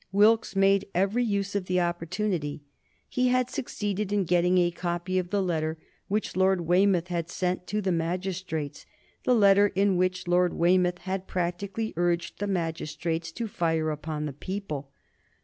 Wilkes made every use of the opportunity. He had succeeded in getting a copy of the letter which Lord Weymouth had sent to the magistrates, the letter in which Lord Weymouth had practically urged the magistrates to fire upon the people.